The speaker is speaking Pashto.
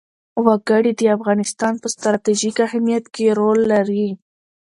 وګړي د افغانستان په ستراتیژیک اهمیت کې رول لري.